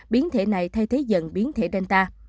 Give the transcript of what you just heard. biến thể này thay thế dần biến thể delta